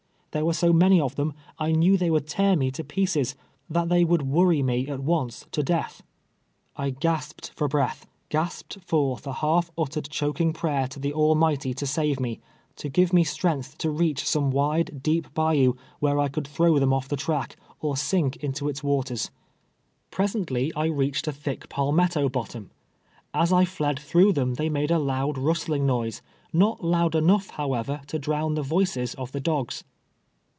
Tliere were so many of them, I knew they would tear me to jiic cesj that they would worry me, at once, to death. I 13 S TWELVE TEARS A SLATE. gasped for Lrcatli — gasped forth a lialt uttered, clic king prayer totlie Almighty to save iiie — to give me strength to reach some wide, deep hayou where I conld tlirow them off the track, or sink into its wa ters. Presently I reached a thick palmetto bottom. As I fled througli thi'iii they made a loud rustling noise, not loud enougli, howevei", to drown the voices of the dogs.